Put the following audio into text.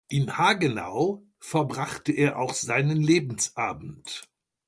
In Haguenau verbrachte er auch seinen Lebensabend.